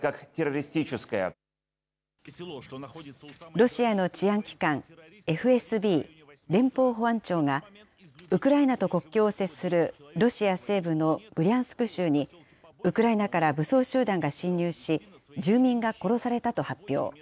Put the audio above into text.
ロシアの治安機関ＦＳＢ・連邦保安庁がウクライナと国境を接するロシア西部のブリャンスク州に、ウクライナから武装集団が侵入し、住民が殺されたと発表。